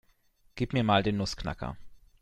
Gib mir mal den Nussknacker.